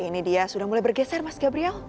ini dia sudah mulai bergeser mas gabriel